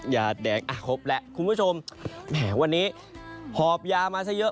ยาแดงอ่ะครบแล้วคุณผู้ชมแหมวันนี้หอบยามาซะเยอะ